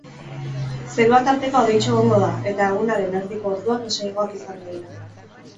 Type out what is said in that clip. Zerua tarteka hodeitsu egongo da, eta egunaren erdiko orduak lasaiagoak izango dira.